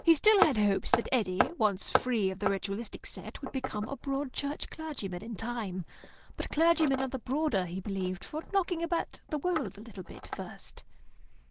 He still had hopes that Eddy, once free of the ritualistic set, would become a Broad Church clergyman in time. But clergymen are the broader, he believed, for knocking about the world a little first.